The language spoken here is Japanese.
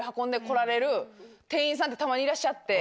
さんってたまにいらっしゃって。